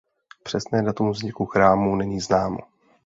Přesné datum vzniku chrámu není známo.